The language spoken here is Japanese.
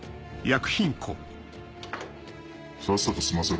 さっさと済ませろ。